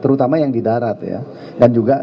terutama yang di darat ya dan juga